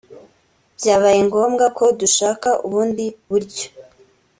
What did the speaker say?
byabaye ngombwa ko dushaka ubundi buryo